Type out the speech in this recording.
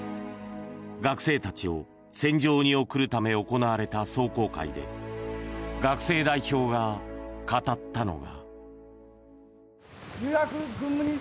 学生たちを戦場に送るため行われた壮行会で学生代表が語ったのが。